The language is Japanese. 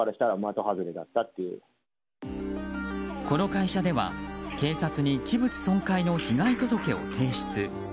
この会社では警察に器物損壊の被害届を提出。